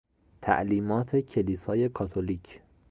تعلیمات کلیسای کاتولیک